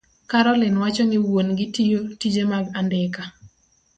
Caroline wacho ni wuon-gi tiyo tije mag andika,